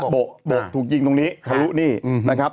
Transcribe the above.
โบะถูกยิงตรงนี้ทะลุนี่นะครับ